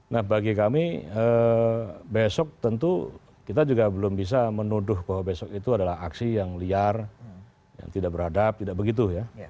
nah bagi kami besok tentu kita juga belum bisa menuduh bahwa besok itu adalah aksi yang liar yang tidak beradab tidak begitu ya